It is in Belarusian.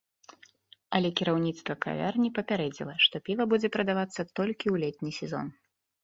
Але кіраўніцтва кавярні папярэдзіла, што піва будзе прадавацца толькі ў летні сезон.